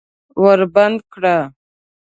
ور بند کړه!